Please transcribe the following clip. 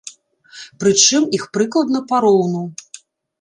Прычым іх прыкладна пароўну.